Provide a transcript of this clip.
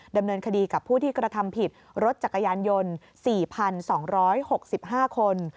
ดำเนินคดีกับผู้ที่กระทำผิดรถจักรยานยนต์๔๒๖๕คน